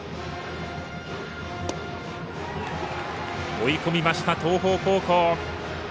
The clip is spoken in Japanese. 追い込みました、東邦高校。